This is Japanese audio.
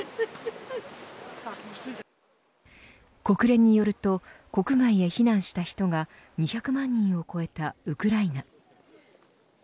国連によると国外へ避難した人が２００万人を超えたウクライナ。